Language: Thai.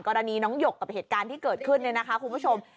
กรณีน้องหยกกับเหตุการณ์ที่เกิดขึ้นคุณผู้ชม